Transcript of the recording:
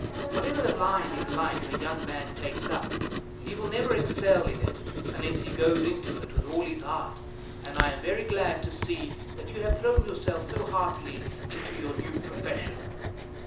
Whatever the line in life a young man takes up, he will never excel in it unless he goes into it with all his heart, and I am very glad to see that you have thrown yourself so heartily into your new profession.